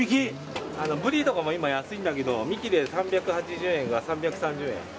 ブリとかも今、安いんだけど３切れ、３８０円が３３０円。